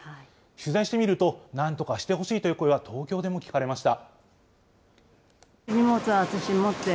取材してみると、なんとかしてほしいという声は東京でも聞かれました。